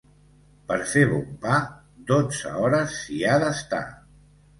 Per fer bon pa dotze hores s'hi ha d'estar.